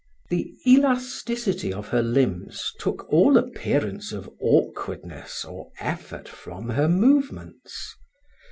The elasticity of her limbs took all appearance of awkwardness or effort from her movements.